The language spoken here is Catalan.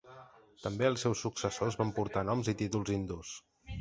També els seus successors van portar noms i títols hindús.